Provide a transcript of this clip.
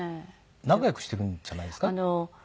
仲良くしてるんじゃないですか？